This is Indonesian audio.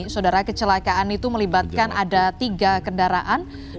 saudara kecelakaan itu melibatkan ada tiga kendaraan